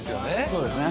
そうですね